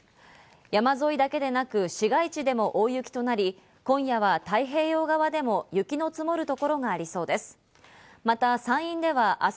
山沿いだけでなく市街地でも大雪となり、今夜は太平洋側でも雪の積もる所がありそうです。